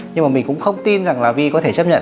nhưng mà mình cũng không tin rằng là vi có thể chấp nhận